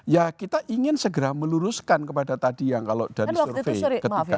ya kita ingin segera meluruskan kepada tadi yang kalau dari survei ketika